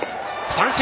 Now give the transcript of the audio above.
三振！